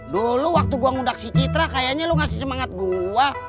dulu waktu gue ngudaksi citra kayaknya lo ngasih semangat gue